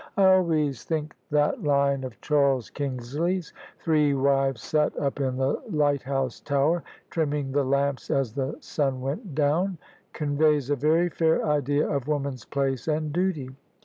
I always think that line of Charles Kingsley's, * Three wives sat up in the lighthouse tower,, trimming the lamps as the sun went down,' conveys a very fair idea of woman's place and duty.